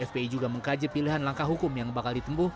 fpi juga mengkaji pilihan langkah hukum yang bakal ditempuh